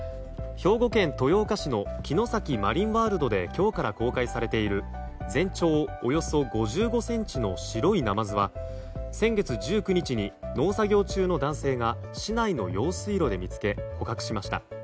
兵庫県豊岡市の城崎マリンワールドで今日から公開されている全長およそ５５ｃｍの白いナマズは先月１９日に農作業中の男性が市内の用水路で見つけ捕獲しました。